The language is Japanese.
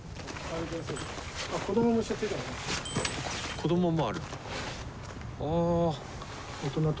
子どももある。